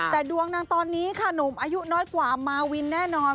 แต่ดวงนางตอนนี้ค่ะหนุ่มอายุน้อยกว่ามาวินแน่นอน